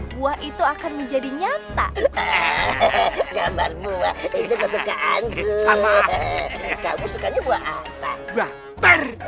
buah itu akan menjadi nyata gambar buah itu kesukaanku kamu sukanya buah apar